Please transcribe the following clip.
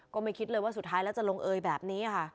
ก็ไม่คิดเลยว่าสุดท้ายแล้วจะลงเอยแบบนี้ค่ะ